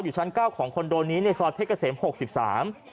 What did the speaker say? อยู่ชั้น๙ของคอนโดนี้ในสวรรค์เพชรเกษม๖๓